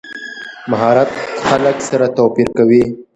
مهارت خلک سره توپیر کوي.